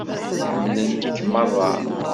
Ḥemmlen-k meṛṛa.